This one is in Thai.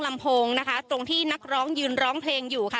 ลำโพงนะคะตรงที่นักร้องยืนร้องเพลงอยู่ค่ะ